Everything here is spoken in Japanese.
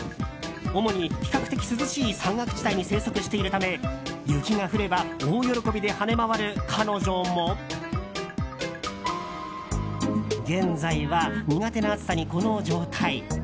主に比較的涼しい山岳地帯に生息しているため雪が降れば大喜びで跳ね回る彼女も現在は、苦手な暑さにこの状態。